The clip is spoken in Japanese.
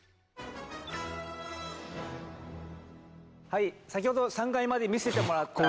はい先程３階まで見せてもらった。